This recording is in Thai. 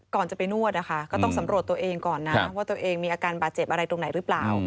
ก่อนจะไปนวดนะคะก็ต้องสำรวจตัวเองก่อนนะว่าตัวเองมีอาการบาดเจ็บอะไรตรงไหนหรือเปล่า